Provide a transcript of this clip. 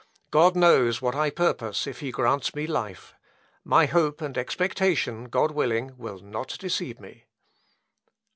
God knows what I purpose if he grants me life. My hope and expectation (God willing) will not deceive me."